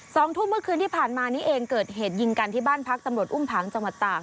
สองทุ่มเมื่อคืนที่ผ่านมานี้เองเกิดเหตุยิงกันที่บ้านพักตำรวจอุ้มผังจังหวัดตาก